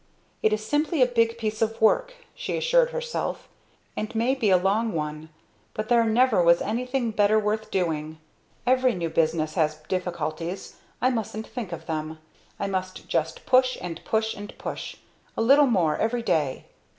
"It is simply a big piece of work," she assured herself, "and may be a long one, but there never was anything better worth doing. Every new business has difficulties, I mustn't think of them. I must just push and push and push a little more every day."